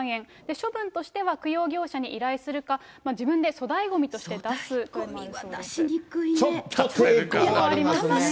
処分としては供養業者に依頼するか、自分で粗大ごみとして出すということもあるそうです。